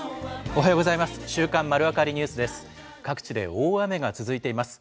おはようございます。